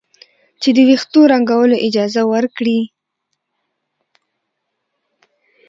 چې د ویښتو د رنګولو اجازه ورکړي.